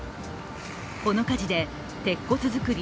この火事で鉄骨造り